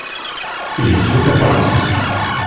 Igezzu tafṛansist.